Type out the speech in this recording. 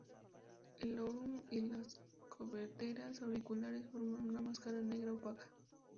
El lorum y las coberteras auriculares forman una máscara negra opaca.